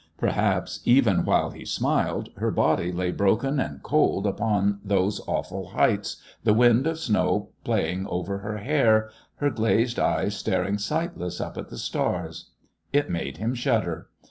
Perhaps, even while he smiled, her body lay broken and cold upon those awful heights, the wind of snow playing over her hair, her glazed eyes staring sightless up to the stars.... It made him shudder.